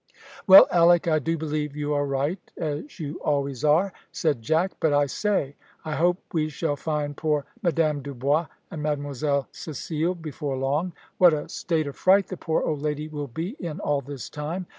"Well, Alick, I do believe you are right, as you always are," said Jack. "But, I say, I hope we shall find poor Madame Dubois and Mademoiselle Cecile before long. What a state of fright the poor old lady will be in all this time!"